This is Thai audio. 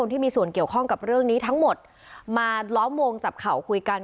ที่มีส่วนเกี่ยวข้องกับเรื่องนี้ทั้งหมดมาล้อมวงจับเข่าคุยกัน